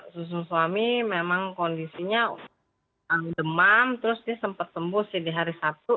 susun suami memang kondisinya demam terus dia sempat tembus di hari sabtu